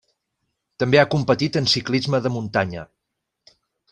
També ha competit en ciclisme de muntanya.